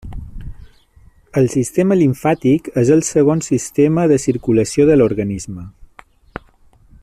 El sistema limfàtic és el segon sistema de circulació de l'organisme.